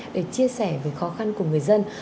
để chia sẻ về khó khăn của người dân